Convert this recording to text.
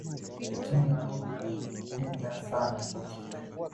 Timu ya Roma ilimpenda sana Totti